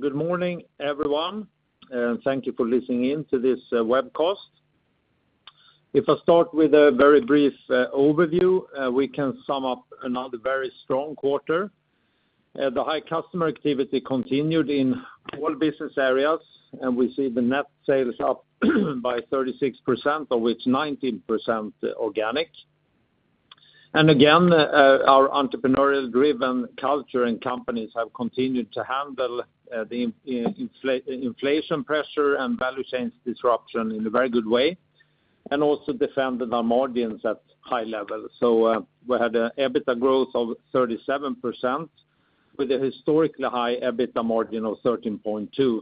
Good morning, everyone, and thank you for listening in to this webcast. If I start with a very brief overview, we can sum up another very strong quarter. The high customer activity continued in all business areas, and we see the net sales up by 36%, of which 19% organic. Again, our entrepreneurial-driven culture and companies have continued to handle the inflation pressure and value chains disruption in a very good way, and also defend the margins at high level. We had an EBITDA growth of 37% with a historically high EBITDA margin of 13.2%,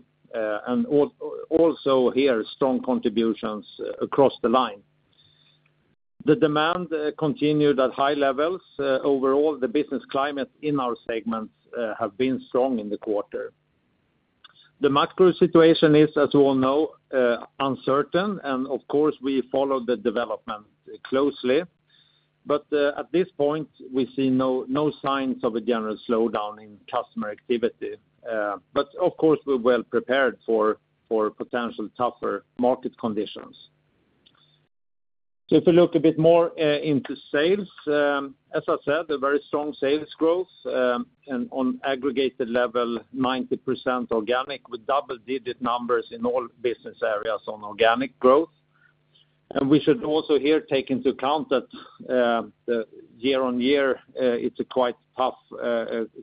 and also here, strong contributions across the line. The demand continued at high levels. Overall, the business climate in our segments have been strong in the quarter. The macro situation is, as you all know, uncertain, and of course, we follow the development closely. At this point, we see no signs of a general slowdown in customer activity. But of course, we're well prepared for potential tougher market conditions. If you look a bit more into sales, as I said, a very strong sales growth, and on aggregated level, 90% organic, with double-digit numbers in all business areas on organic growth. We should also here take into account that the year-on-year, it's a quite tough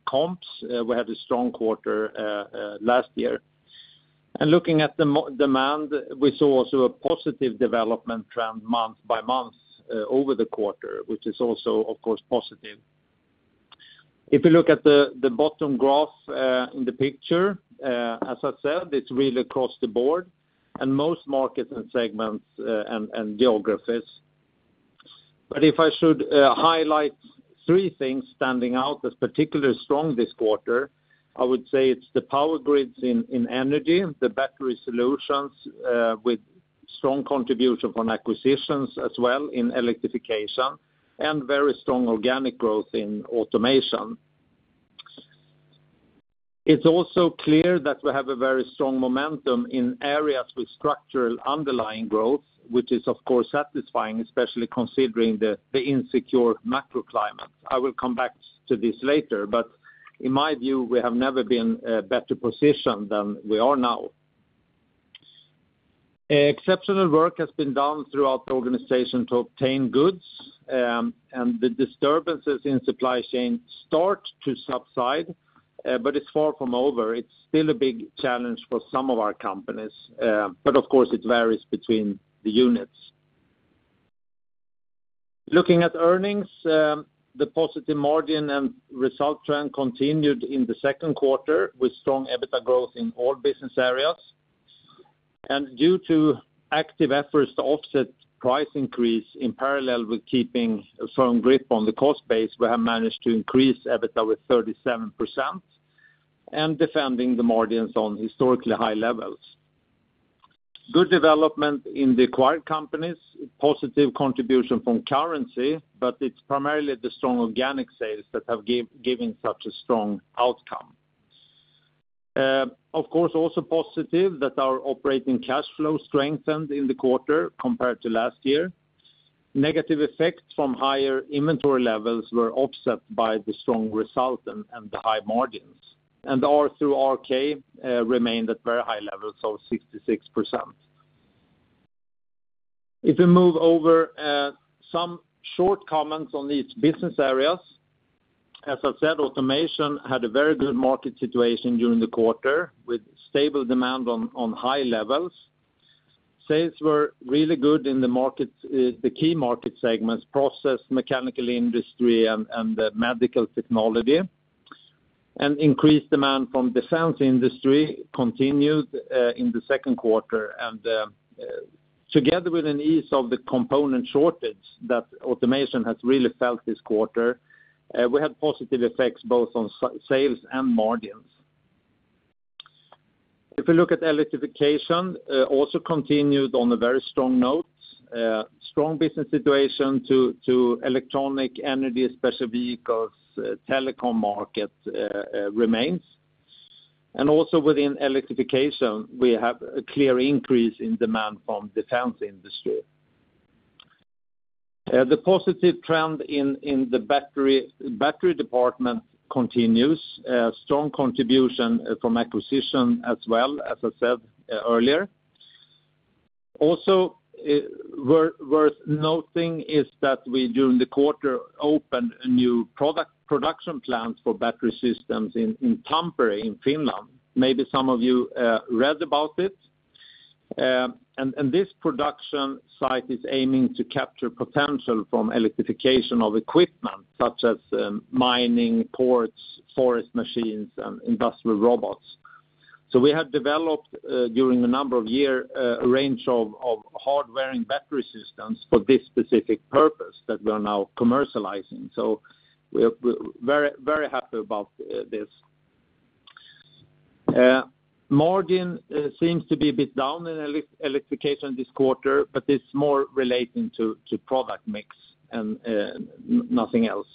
comps. We had a strong quarter last year. Looking at the demand, we saw also a positive development trend month-by-month over the quarter, which is also, of course, positive. If you look at the bottom graph in the picture, as I said, it's really across the board in most markets and segments, and geographies. If I should highlight three things standing out as particularly strong this quarter, I would say it's the power grids in Energy, the battery solutions with strong contribution from acquisitions as well in Electrification, and very strong organic growth in Automation. It's also clear that we have a very strong momentum in areas with structural underlying growth, which is of course satisfying, especially considering the insecure macro climate. I will come back to this later, but in my view, we have never been better positioned than we are now. Exceptional work has been done throughout the organization to obtain goods, and the disturbances in supply chain start to subside, but it's far from over. It's still a big challenge for some of our companies, but of course, it varies between the units. Looking at earnings, the positive margin and result trend continued in the second quarter with strong EBITDA growth in all business areas. Due to active efforts to offset price increase in parallel with keeping a firm grip on the cost base, we have managed to increase EBITDA with 37% and defending the margins on historically high levels. Good development in the acquired companies, positive contribution from currency, but it's primarily the strong organic sales that have given such a strong outcome. Of course, also positive that our operating cash flow strengthened in the quarter compared to last year. Negative effects from higher inventory levels were offset by the strong result and the high margins. R/RK remained at very high levels of 66%. If we move over, some short comments on these business areas. As I said, Automation had a very good market situation during the quarter with stable demand on high levels. Sales were really good in the market, the key market segments, process, mechanical industry, and the medical technology. Increased demand from defense industry continued in the second quarter. Together with an ease of the component shortage that Automation has really felt this quarter, we had positive effects both on sales and margins. If we look at Electrification, also continued on a very strong note. Strong business situation in electronics, energy, special vehicles, telecom market remains. Also within Electrification, we have a clear increase in demand from defense industry. The positive trend in the battery department continues. Strong contribution from acquisition as well, as I said, earlier. Also, worth noting is that we, during the quarter, opened a new production plant for battery systems in Tampere in Finland. Maybe some of you read about it. This production site is aiming to capture potential from electrification of equipment, such as mining, ports, forest machines, and industrial robots. We have developed during a number of years a range of hard-wearing battery systems for this specific purpose that we are now commercializing. We're very happy about this. Margin seems to be a bit down in Electrification this quarter, but it's more relating to product mix and nothing else.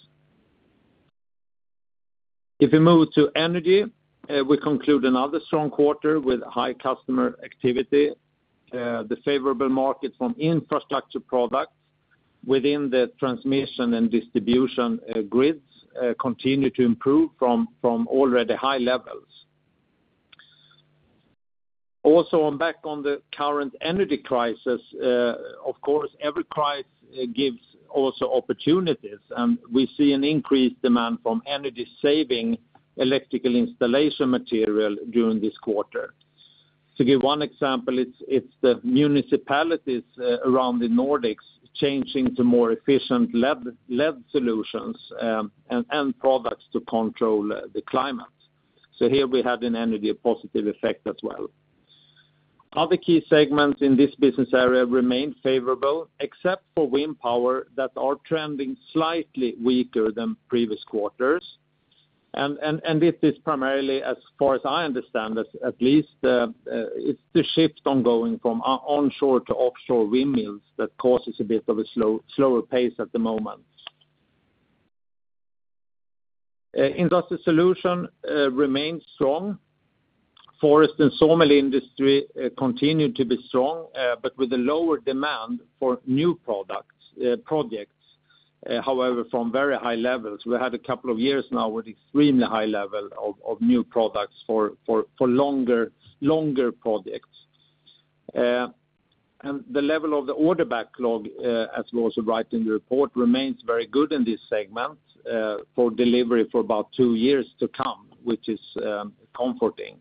If we move to Energy, we conclude another strong quarter with high customer activity. The favorable market for infrastructure products within the transmission and distribution grids continue to improve from already high levels. Also, on the back of the current energy crisis, of course, every crisis gives also opportunities, and we see an increased demand for energy-saving electrical installation material during this quarter. To give one example, it's the municipalities around the Nordics changing to more efficient LED solutions and products to control the climate. So here we have an energy positive effect as well. Other key segments in this business area remain favorable, except for wind power that are trending slightly weaker than previous quarters. It is primarily, as far as I understand this, at least, it's the shift ongoing from onshore to offshore windmills that causes a bit of a slower pace at the moment. Industrial Solutions remains strong. Forest and sawmill industry continue to be strong, but with a lower demand for new products, projects, however, from very high levels. We had a couple of years now with extremely high level of new products for longer projects. The level of the order backlog, as we also write in the report, remains very good in this segment, for delivery for about two years to come, which is comforting.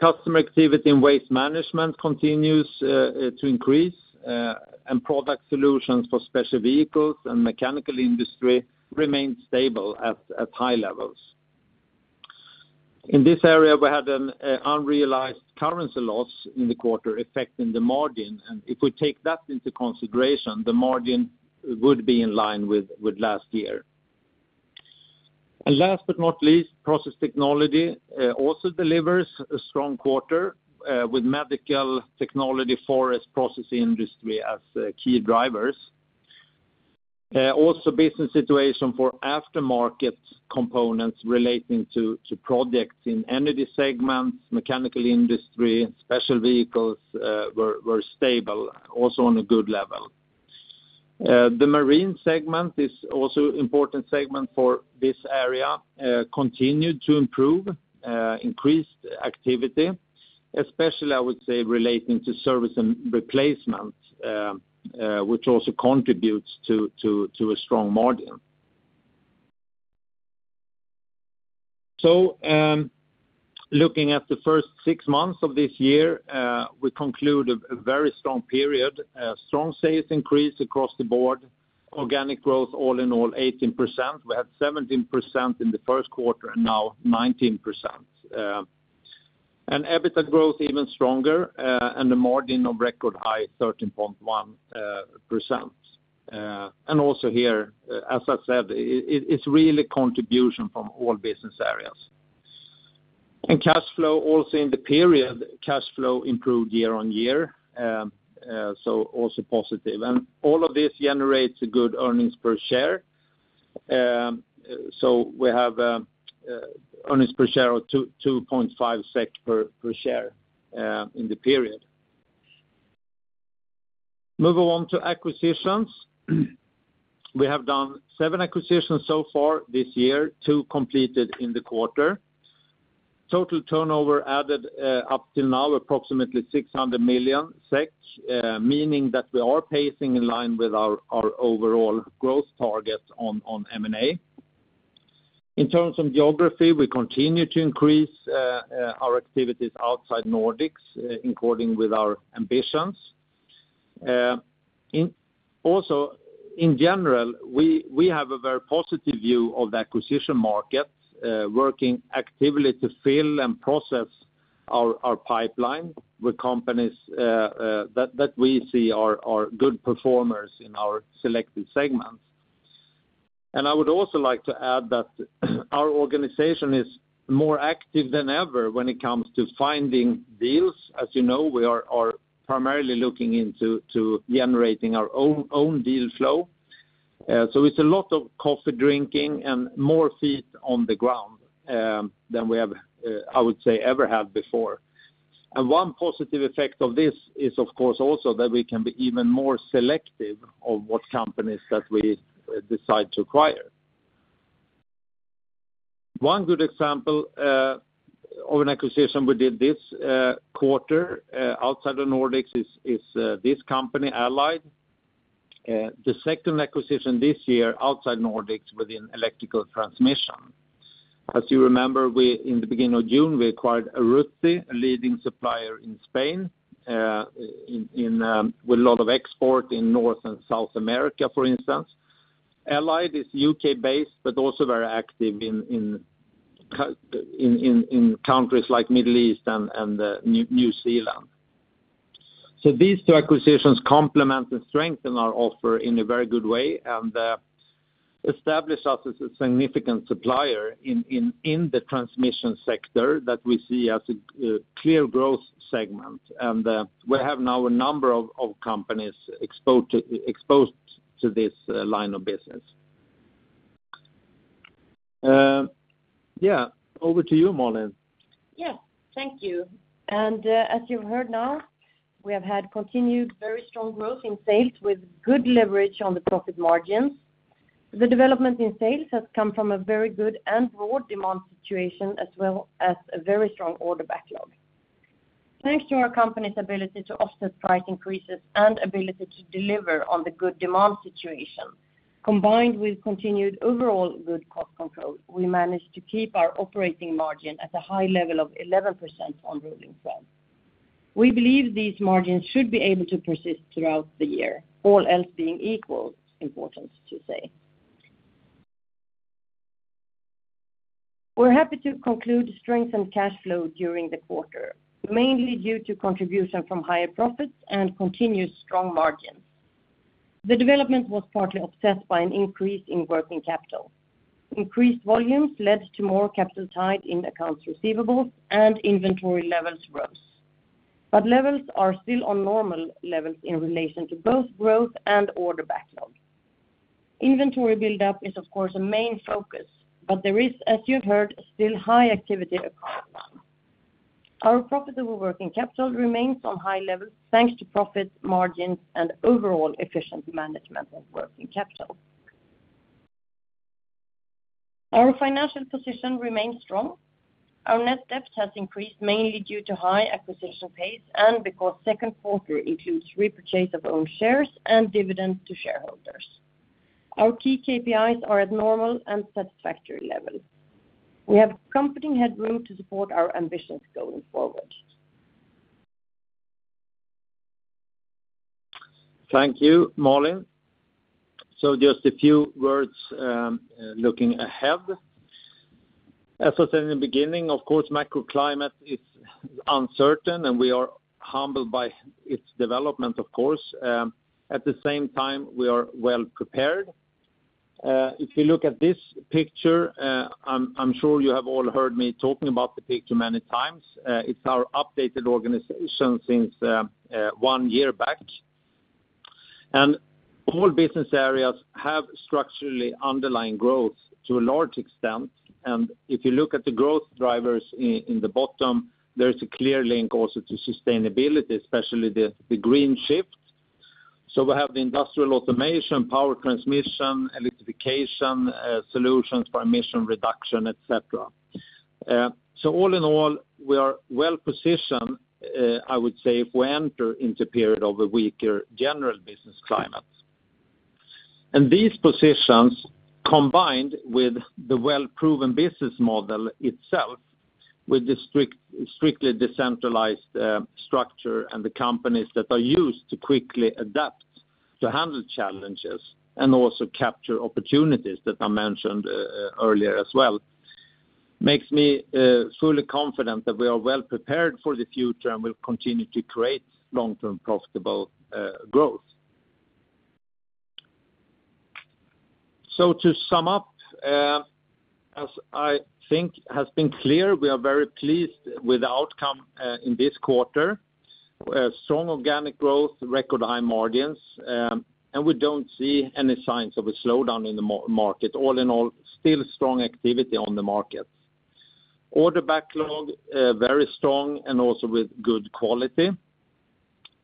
Customer activity in waste management continues to increase, and product solutions for special vehicles and mechanical industry remain stable at high levels. In this area, we had an unrealized currency loss in the quarter affecting the margin, and if we take that into consideration, the margin would be in line with last year. Last but not least, Process Technology also delivers a strong quarter with medical technology, forest processing industry as key drivers. Also business situation for aftermarket components relating to projects in energy segments, mechanical industry, special vehicles were stable, also on a good level. The marine segment is also important segment for this area continued to improve, increased activity, especially I would say relating to service and replacement, which also contributes to a strong margin. Looking at the first six months of this year, we conclude a very strong period. A strong sales increase across the board. Organic growth all in all 18%. We had 17% in the first quarter, and now 19%. EBITDA growth even stronger, and the margin at a record high 13.1%. Also here, as I said, it's really contributions from all business areas. Cash flow in the period improved year-over-year, so also positive. All of this generates a good earnings per share. We have earnings per share of 2.5 SEK per share in the period. Moving on to acquisitions. We have done seven acquisitions so far this year, two completed in the quarter. Total turnover added up till now approximately 600 million SEK, meaning that we are pacing in line with our overall growth target on M&A. In terms of geography, we continue to increase our activities outside Nordics in accordance with our ambitions. Also, in general, we have a very positive view of the acquisition market, working actively to fill and process our pipeline with companies that we see are good performers in our selected segments. I would also like to add that our organization is more active than ever when it comes to finding deals. As you know, we are primarily looking into generating our own deal flow. It's a lot of coffee drinking and more feet on the ground than we have, I would say, ever have before. One positive effect of this is, of course, also that we can be even more selective of what companies that we decide to acquire. One good example of an acquisition we did this quarter outside the Nordics is this company, Allied. The second acquisition this year outside Nordics within electrical transmission. As you remember, in the beginning of June, we acquired Arruti, a leading supplier in Spain with a lot of export in North and South America, for instance. Allied is U.K.-based, but also very active in countries like Middle East and New Zealand. These two acquisitions complement and strengthen our offer in a very good way, and establish us as a significant supplier in the transmission sector that we see as a clear growth segment. We have now a number of companies exposed to this line of business. Yeah, over to you, Malin. Yes, thank you. As you've heard now, we have had continued very strong growth in sales with good leverage on the profit margins. The development in sales has come from a very good and broad demand situation, as well as a very strong order backlog. Thanks to our company's ability to offset price increases and ability to deliver on the good demand situation, combined with continued overall good cost control, we managed to keep our operating margin at a high level of 11% on rolling 12. We believe these margins should be able to persist throughout the year, all else being equal, it's important to say. We're happy to conclude strengthened cash flow during the quarter, mainly due to contribution from higher profits and continuous strong margins. The development was partly offset by an increase in working capital. Increased volumes led to more capital tied in accounts receivables and inventory levels rose. Levels are still on normal levels in relation to both growth and order backlog. Inventory buildup is, of course, a main focus, but there is, as you've heard, still high activity across them. Our profitable working capital remains on high levels, thanks to profit margins and overall efficient management of working capital. Our financial position remains strong. Our net debt has increased mainly due to high acquisition pace and because second quarter includes repurchase of own shares and dividends to shareholders. Our key KPIs are at normal and satisfactory levels. We have company headroom to support our ambitions going forward. Thank you, Malin. Just a few words, looking ahead. As I said in the beginning, of course, macroclimate is uncertain, and we are humbled by its development, of course. At the same time, we are well prepared. If you look at this picture, I'm sure you have all heard me talking about the picture many times. It's our updated organization since one year back. All business areas have structurally underlying growth to a large extent. If you look at the growth drivers in the bottom, there is a clear link also to sustainability, especially the green shift. We have the industrial automation, power transmission, electrification, solutions for emission reduction, et cetera. All in all, we are well-positioned, I would say, if we enter into period of a weaker general business climate. These positions, combined with the well-proven business model itself, with the strictly decentralized structure and the companies that are used to quickly adapt to handle challenges and also capture opportunities that I mentioned earlier as well, makes me fully confident that we are well prepared for the future and will continue to create long-term profitable growth. To sum up, as I think has been clear, we are very pleased with the outcome in this quarter. Strong organic growth, record high margins, and we don't see any signs of a slowdown in the market. All in all, still strong activity on the markets. Order backlog very strong and also with good quality.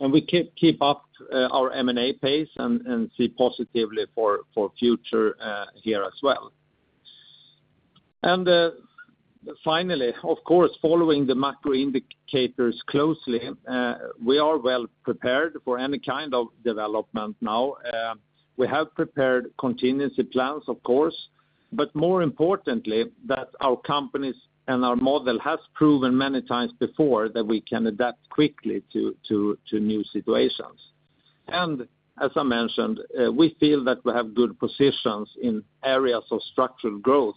We keep up our M&A pace and see positively for future here as well. Finally, of course, following the macro indicators closely, we are well prepared for any kind of development now. We have prepared contingency plans, of course, but more importantly, that our companies and our model has proven many times before that we can adapt quickly to new situations. As I mentioned, we feel that we have good positions in areas of structural growth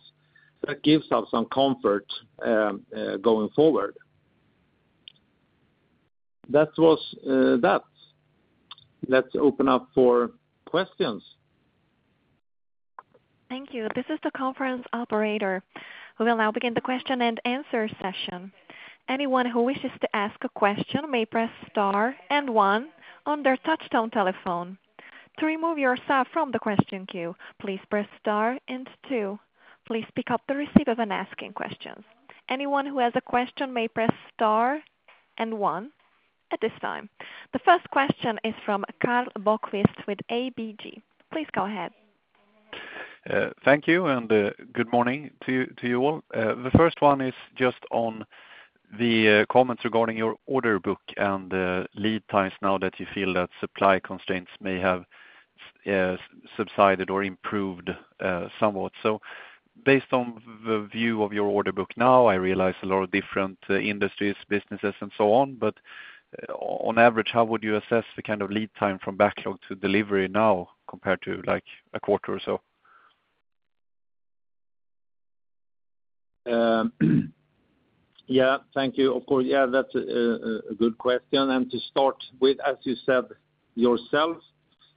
that gives us some comfort going forward. That was that. Let's open up for questions. Thank you. This is the conference operator. We will now begin the question-and-answer session. Anyone who wishes to ask a question may press star and one on their touch-tone telephone. To remove yourself from the question queue, please press star and two. Please pick up the receiver when asking questions. Anyone who has a question may press star and one at this time. The first question is from Karl Bokvist with ABG. Please go ahead. Thank you, and good morning to you all. The first one is just on the comments regarding your order book and lead times now that you feel that supply constraints may have subsided or improved somewhat. Based on the view of your order book now, I realize a lot of different industries, businesses, and so on, but on average, how would you assess the kind of lead time from backlog to delivery now compared to, like, a quarter or so? Yeah. Thank you. Of course, yeah, that's a good question. To start with, as you said yourself,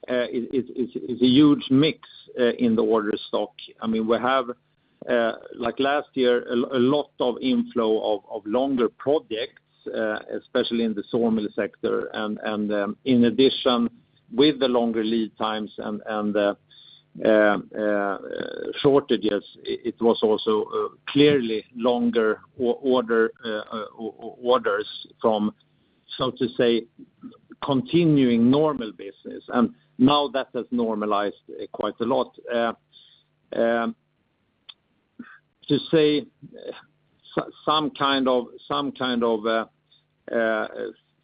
it's a huge mix in the order stock. I mean, we have, like last year, a lot of inflow of longer projects, especially in the sawmill sector. In addition, with the longer lead times and shortages, it was also clearly longer orders from, so to say, continuing normal business. Now that has normalized quite a lot. To say some kind of a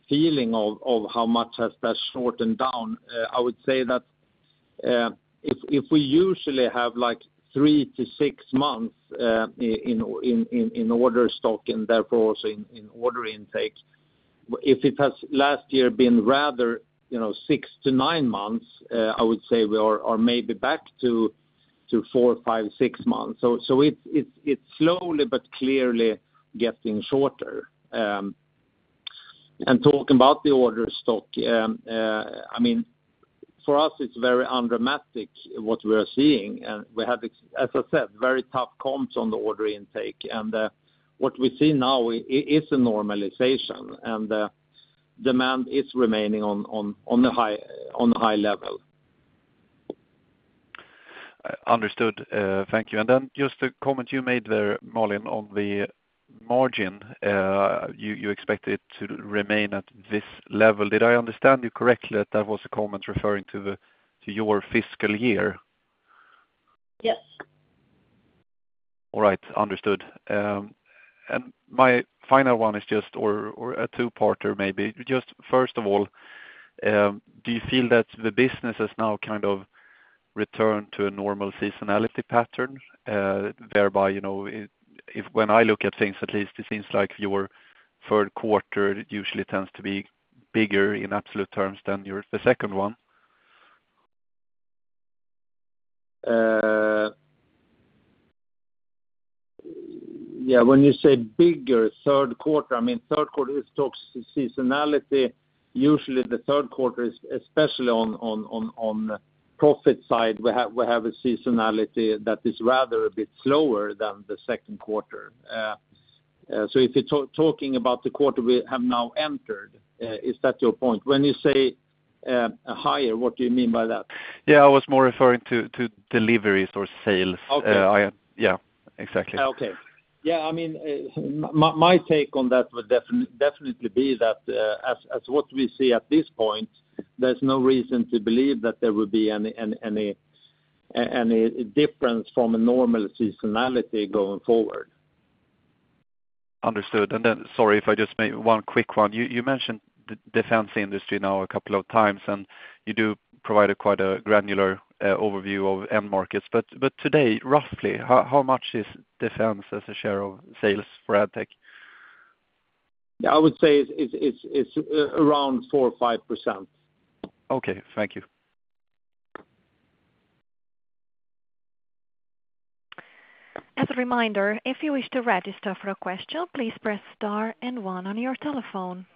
feeling of how much has that shortened down, I would say that if we usually have, like, three-six months in order stock and therefore also in order intake, if it has last year been rather, you know, six-nine months, I would say we are maybe back to four-six months. It's slowly but clearly getting shorter. Talking about the order stock, I mean, for us it's very undramatic what we are seeing. We have, as I said, very tough comps on the order intake. What we see now is a normalization, and the demand is remaining on a high level. Understood. Thank you. Just a comment you made there, Malin, on the margin. You expect it to remain at this level. Did I understand you correctly that that was a comment referring to your fiscal year? Yes. All right. Understood. My final one is just a two-parter maybe. Just first of all, do you feel that the business has now kind of returned to a normal seasonality pattern, thereby, you know, if when I look at things, at least it seems like your third quarter usually tends to be bigger in absolute terms than your the second one. Yeah, when you say bigger third quarter, I mean, third quarter, it talks to seasonality. Usually the third quarter is especially on profit side, we have a seasonality that is rather a bit slower than the second quarter. So if you're talking about the quarter we have now entered, is that your point? When you say higher, what do you mean by that? Yeah, I was more referring to deliveries or sales. Okay. Yeah. Exactly. Okay. Yeah, I mean, my take on that would definitely be that, as what we see at this point, there's no reason to believe that there will be any difference from a normal seasonality going forward. Understood. Sorry if I just make one quick one. You mentioned defense industry now a couple of times, and you do provide a quite granular overview of end markets, but today, roughly how much is defense as a share of sales for Addtech? Yeah, I would say it's around 4%-5%. Okay. Thank you. As a reminder, if you wish to register for a question, please press star and one on your telephone.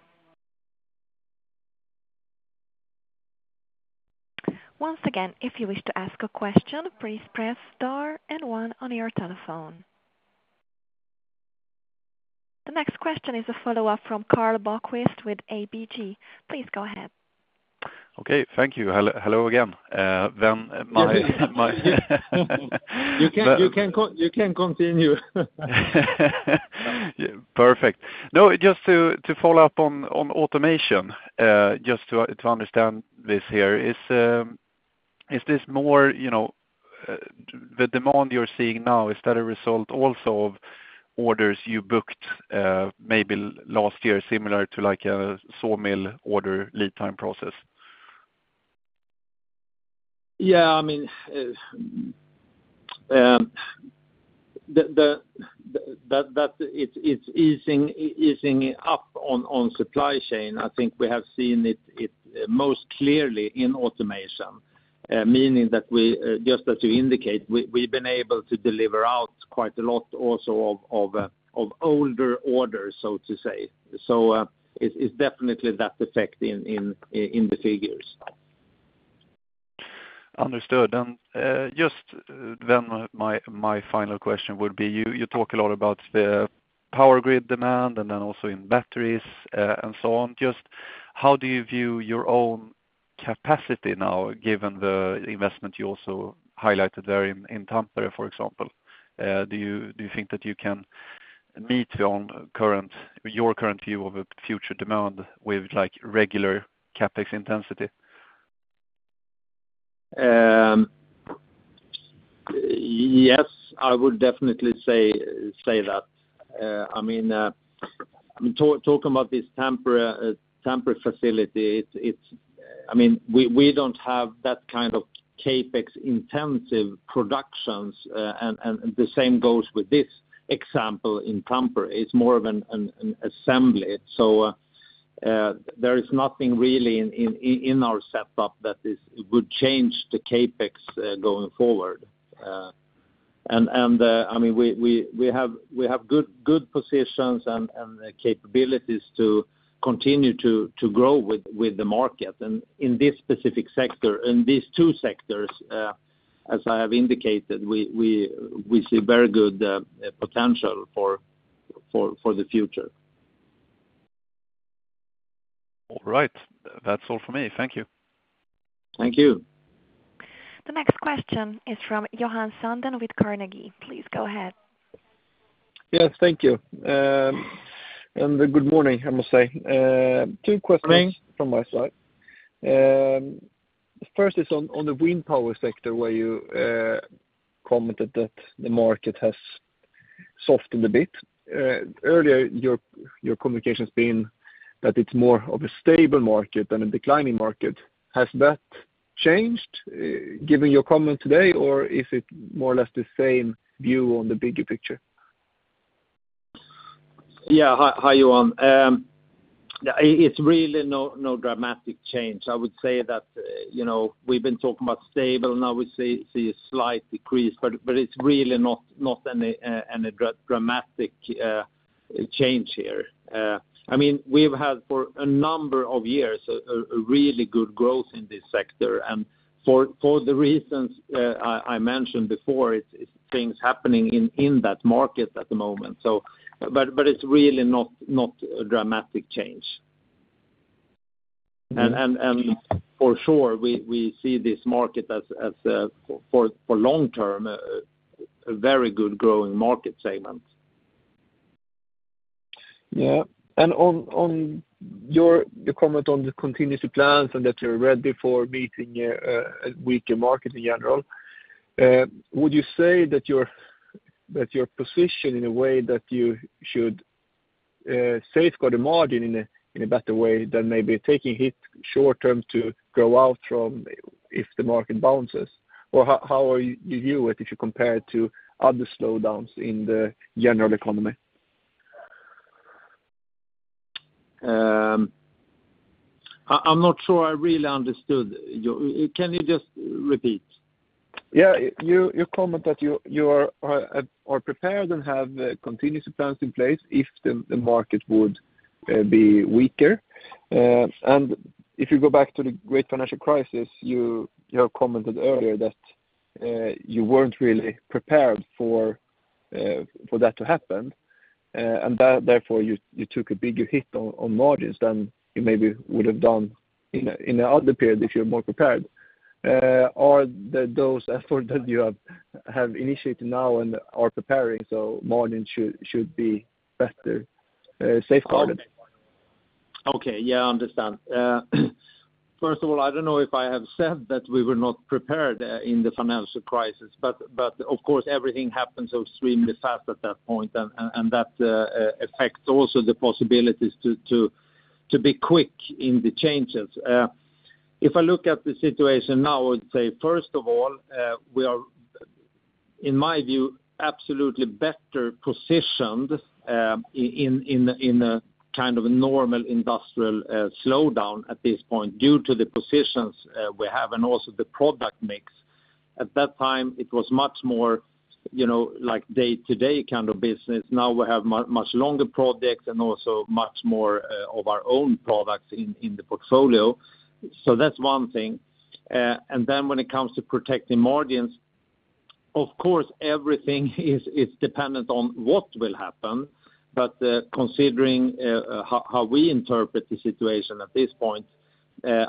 Once again, if you wish to ask a question, please press star and one on your telephone. The next question is a follow-up from Karl Bokvist with ABG. Please go ahead. Okay. Thank you. Hello again, then my You can continue. Yeah, perfect. No, just to follow up on Automation, just to understand this here. Is this more, you know, the demand you're seeing now, is that a result also of orders you booked, maybe last year, similar to, like, a saw mill order lead time process? Yeah, I mean, that it's easing up on supply chain. I think we have seen it most clearly in Automation, meaning that we just as you indicate, we've been able to deliver out quite a lot also of older orders, so to say. It's definitely that effect in the figures. Understood. Just then my final question would be, you talk a lot about the power grid demand and then also in batteries, and so on. Just how do you view your own capacity now, given the investment you also highlighted there in Tampere, for example? Do you think that you can meet your own current view of a future demand with like regular CapEx intensity? Yes, I would definitely say that. I mean, talking about this Tampere facility, it's, I mean, we don't have that kind of CapEx-intensive productions, and the same goes with this example in Tampere. It's more of an assembly. There is nothing really in our setup that would change the CapEx going forward. I mean, we have good positions and capabilities to continue to grow with the market. In this specific sector, in these two sectors, as I have indicated, we see very good potential for the future. All right. That's all for me. Thank you. Thank you. The next question is from Johan Sundén with Carnegie. Please go ahead. Yes, thank you. Good morning, I must say. Two questions. Morning. From my side. First is on the wind power sector where you commented that the market has softened a bit. Earlier, your communication's been that it's more of a stable market than a declining market. Has that changed, given your comment today, or is it more or less the same view on the bigger picture? Yeah. Hi, Johan. It's really no dramatic change. I would say that, you know, we've been talking about stable, now we see a slight decrease, but it's really not any dramatic change here. I mean, we've had for a number of years a really good growth in this sector, and for the reasons I mentioned before, it's things happening in that market at the moment. It's really not a dramatic change. For sure, we see this market as a very good growing market segment. Yeah. On your comment on the contingency plans and that you're ready for meeting a weaker market in general, would you say that you're positioned in a way that you should safeguard the margin in a better way than maybe taking a hit short term to grow out from if the market bounces? Or how do you view it if you compare it to other slowdowns in the general economy? I'm not sure I really understood. Can you just repeat? Yeah. You comment that you are prepared and have contingency plans in place if the market would be weaker. If you go back to the great financial crisis, you have commented earlier that you weren't really prepared for that to happen, and therefore, you took a bigger hit on margins than you maybe would have done in another period if you're more prepared. Are those efforts that you have initiated now and are preparing so margins should be better safeguarded? Okay. Yeah, I understand. First of all, I don't know if I have said that we were not prepared in the financial crisis, but of course, everything happened so extremely fast at that point and that affects also the possibilities to be quick in the changes. If I look at the situation now, I would say, first of all, we are, in my view, absolutely better positioned in a kind of normal industrial slowdown at this point due to the positions we have and also the product mix. At that time, it was much more, you know, like day-to-day kind of business. Now we have much longer products and also much more of our own products in the portfolio. That's one thing. When it comes to protecting margins, of course, everything is dependent on what will happen. Considering how we interpret the situation at this point,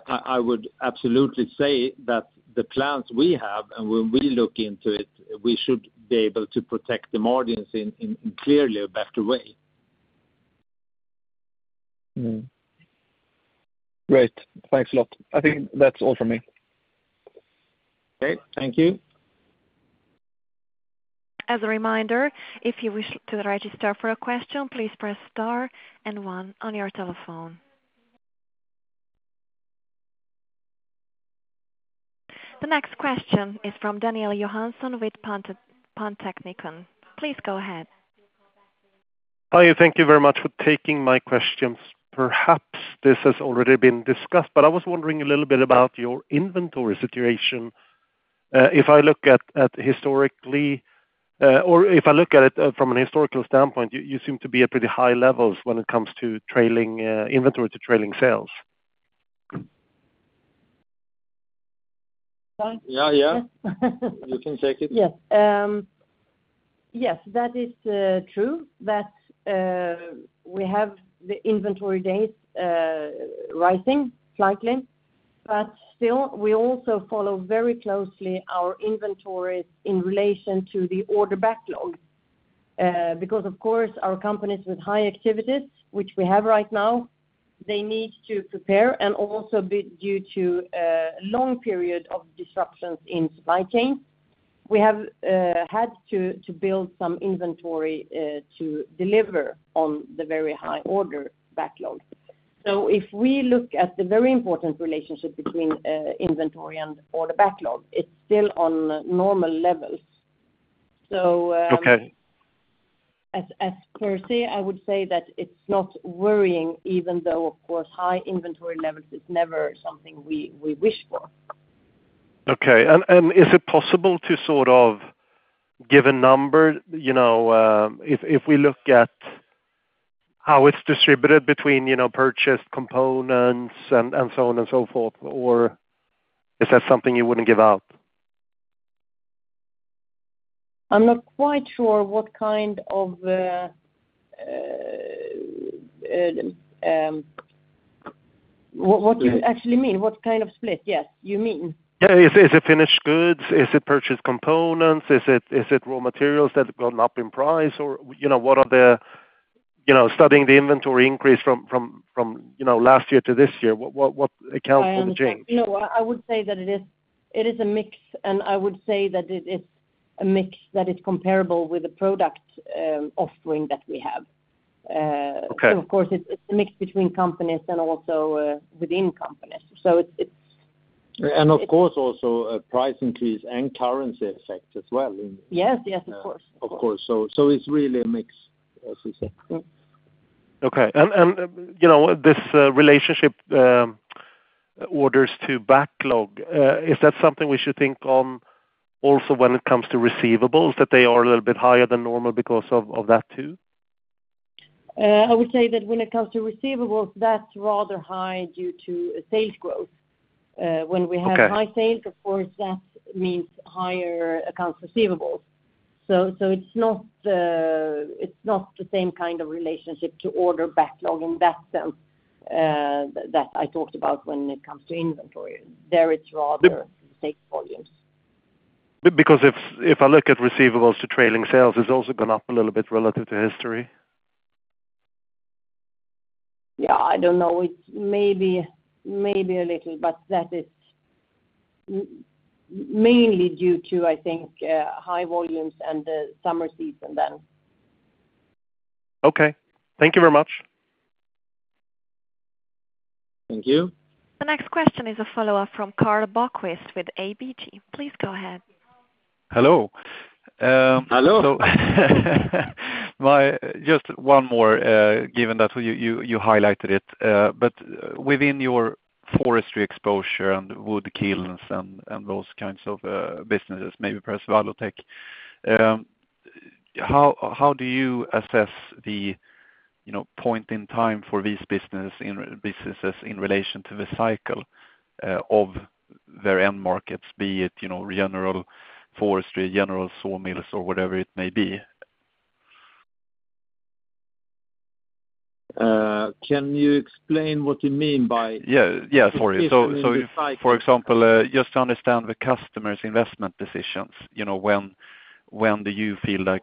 I would absolutely say that the plans we have and when we look into it, we should be able to protect the margins in clearly a better way. Great. Thanks a lot. I think that's all for me. Okay. Thank you. As a reminder, if you wish to register for a question, please press star and one on your telephone. The next question is from Daniel Johansson with Pantechnicon, SEB. Please go ahead. Hi, thank you very much for taking my questions. Perhaps this has already been discussed, but I was wondering a little bit about your inventory situation. If I look at it from an historical standpoint, you seem to be at pretty high levels when it comes to trailing inventory to trailing sales. Yeah, yeah. You can take it. Yes. Yes, that is true that we have the inventory days rising slightly. Still, we also follow very closely our inventories in relation to the order backlog, because of course our companies with high activities, which we have right now, they need to prepare and also due to long period of disruptions in supply chain, we have had to build some inventory to deliver on the very high order backlog. If we look at the very important relationship between inventory and order backlog, it's still on normal levels. Okay. I would say that it's not worrying, even though, of course, high inventory levels is never something we wish for. Okay. Is it possible to sort of give a number, you know, if we look at how it's distributed between, you know, purchased components and so on and so forth? Or is that something you wouldn't give out? I'm not quite sure what you actually mean, what kind of split, yes, you mean? Yeah. Is it finished goods? Is it purchased components? Is it raw materials that have gone up in price? Or, you know, what are the, you know, studying the inventory increase from last year to this year, what accounts for the change? You know, I would say that it is a mix, and I would say that it is a mix that is comparable with the product offering that we have. Okay. Of course it's a mix between companies and also within companies. Of course also a price increase and currency effect as well in- Yes, yes, of course. Of course. It's really a mix, as you said. Okay. You know, this relationship orders to backlog is that something we should think on also when it comes to receivables, that they are a little bit higher than normal because of that too? I would say that when it comes to receivables, that's rather high due to sales growth. When we have Okay. High sales, of course, that means higher accounts receivables. It's not the same kind of relationship to order backlog in that sense, that I talked about when it comes to inventory. There it's rather sales volumes. Because if I look at receivables to trailing sales, it's also gone up a little bit relative to history. Yeah, I don't know. It's maybe a little, but that is mainly due to, I think, high volumes and the summer season then. Okay. Thank you very much. Thank you. The next question is a follow-up from Karl Bokvist with ABG. Please go ahead. Hello. Hello. Just one more, given that you highlighted it. But within your forestry exposure and wood kilns and those kinds of businesses, maybe press Valutec, how do you assess the, you know, point in time for these businesses in relation to the cycle of their end markets, be it, you know, general forestry, general sawmills, or whatever it may be? Can you explain what you mean by? Yeah, yeah. Sorry. the system in the cycle? For example, just to understand the customers' investment decisions, you know, when do you feel like,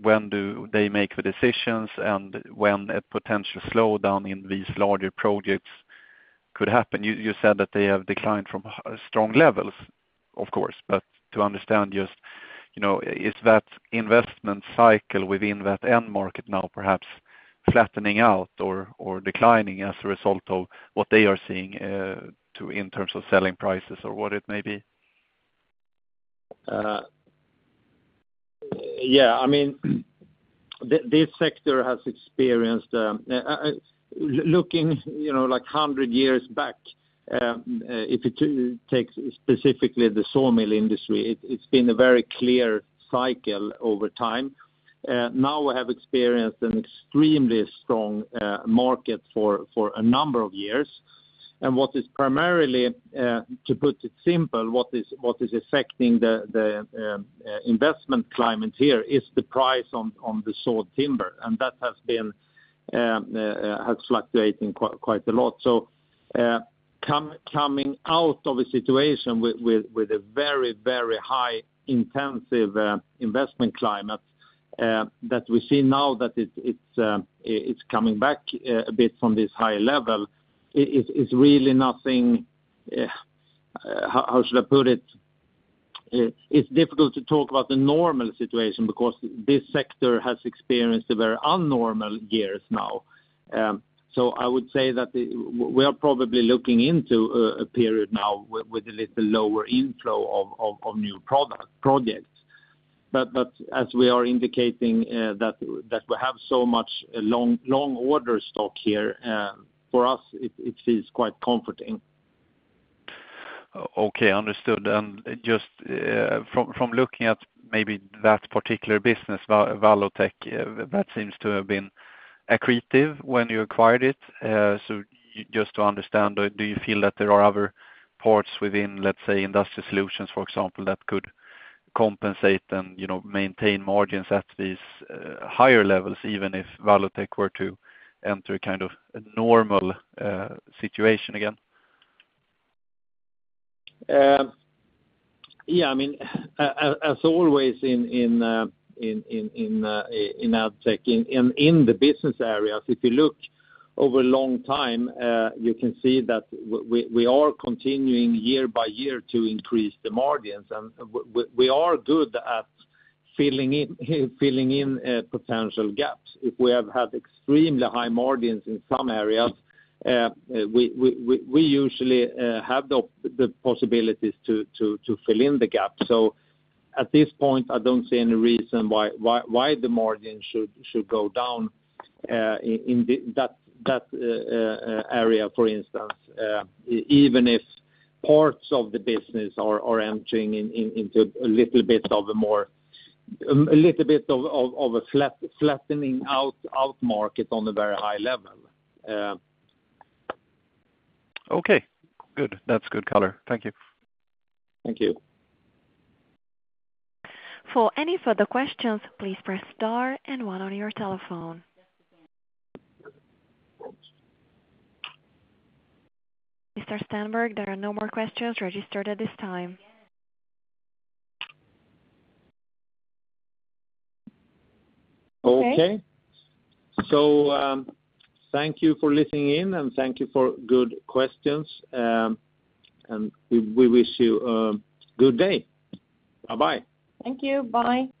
when do they make the decisions and when a potential slowdown in these larger projects could happen? You said that they have declined from strong levels, of course, but to understand just, you know, is that investment cycle within that end market now perhaps flattening out or declining as a result of what they are seeing, in terms of selling prices or what it may be? Yeah, I mean, this sector has experienced, looking, you know, like hundred years back, if it takes specifically the sawmill industry, it's been a very clear cycle over time. Now we have experienced an extremely strong market for a number of years. What is primarily, to put it simple, what is affecting the investment climate here is the price on the saw timber, and that has been fluctuating quite a lot. Coming out of a situation with a very, very high intensive investment climate, that we see now that it's coming back a bit from this high level, it's really nothing, how should I put it? It's difficult to talk about the normal situation because this sector has experienced very abnormal years now. I would say that we are probably looking into a period now with a little lower inflow of new product projects. As we are indicating, that we have so much long order stock here, for us it feels quite comforting. Okay, understood. Just from looking at maybe that particular business, Valutec, that seems to have been accretive when you acquired it. Just to understand, do you feel that there are other parts within, let's say, Industrial Solutions, for example, that could compensate and, you know, maintain margins at these higher levels, even if Valutec were to enter a kind of a normal situation again? Yeah, I mean, as always in Addtech, in the business areas, if you look over a long time, you can see that we are continuing year by year to increase the margins, and we are good at filling in potential gaps. If we have had extremely high margins in some areas, we usually have the possibilities to fill in the gaps.At this point, I don't see any reason why the margin should go down in that area, for instance, even if parts of the business are entering into a little bit of a more a little bit of a flattening out market on a very high level. Okay, good. That's good color. Thank you. Thank you. For any further questions, please press star and one on your telephone. Mr. Stenberg, there are no more questions registered at this time. Okay. Okay. Thank you for listening in, and thank you for good questions, and we wish you a good day. Bye-bye. Thank you. Bye.